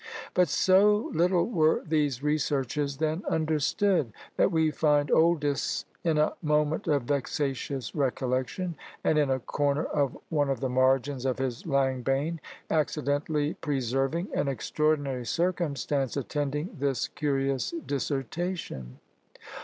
But so little were these researches then understood, that we find Oldys, in a moment of vexatious recollection, and in a corner of one of the margins of his Langbaine, accidentally preserving an extraordinary circumstance attending this curious dissertation.